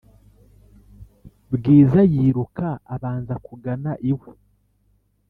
bwiza yiruka abanza kugana iwe